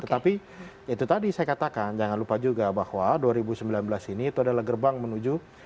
tetapi itu tadi saya katakan jangan lupa juga bahwa dua ribu sembilan belas ini itu adalah gerbang menuju